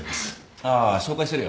ああ紹介するよ。